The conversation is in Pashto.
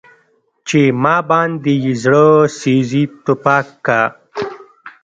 چې ما باندې يې زړه سيزي تپاک کا